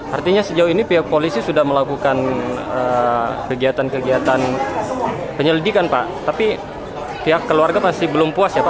artinya sejauh ini pihak polisi sudah melakukan kegiatan kegiatan penyelidikan pak tapi pihak keluarga masih belum puas ya pak